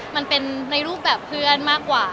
มันเป็นในรูปแบบเพื่อนมากกว่า